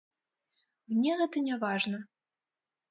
Мне гэта не важна.